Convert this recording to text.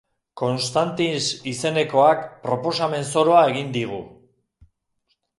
Constantis izenekoak proposamen zoroa egin digu.